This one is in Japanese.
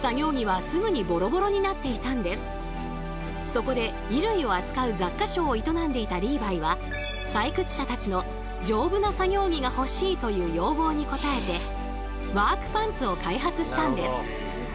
そこで衣類を扱う雑貨商を営んでいたリーバイは採掘者たちの「丈夫な作業着が欲しい」という要望に応えてワークパンツを開発したんです。